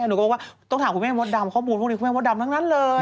หนูก็บอกว่าต้องถามคุณแม่มดดำข้อมูลพวกนี้คุณแม่มดดำทั้งนั้นเลย